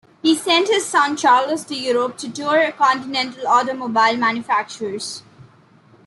He sent his son Charles to Europe to tour continental automobile manufacturers.